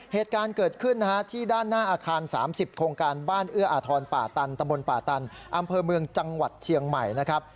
เหตุการณ์เกิดขึ้นนะฮะที่ด้านหน้าอาคาร๓๐โครงการบ้านเอื้ออาทรป่าตันตะบนป่าตันอำเภอเมืองจังหวัดเชียงใหม่นะครับ